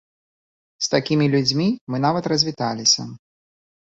З такімі людзьмі мы нават развітваліся.